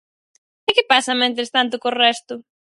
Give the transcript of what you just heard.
¿E que pasa mentres tanto co resto?